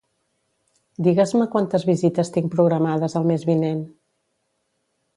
Digues-me quantes visites tinc programades el mes vinent.